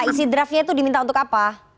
isi draftnya itu diminta untuk apa